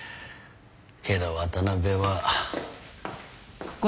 けど渡辺は。